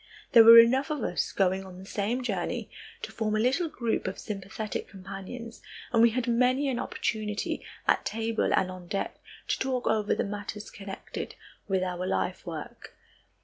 There were enough of us going on the same journey to form a little group of sympathetic companions and we had many an opportunity at table and on deck to talk over the matters connected with our life work.